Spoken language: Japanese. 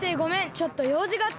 ちょっとようじがあって。